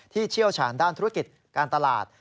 เชี่ยวชาญด้านธุรกิจการตลาด